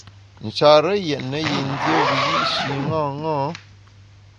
Nchare yètne yin dié wiyi’shi ṅaṅâ.